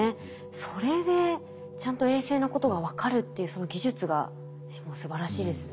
それでちゃんと衛星のことが分かるっていうその技術がもうすばらしいですね。